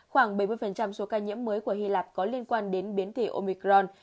khoảng bảy mươi số ca nhiễm mới của hy lạp có liên quan đến biến tỷ omicron